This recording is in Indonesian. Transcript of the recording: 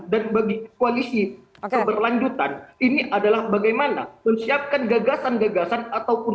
dan bagi koalisi keberlanjutan ini adalah bagaimana menyiapkan gagasan gagasan ataupun